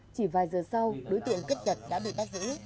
chỉ vài giờ sau đối tượng cấp chật đã bị bắt giữ